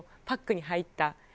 パックに入った。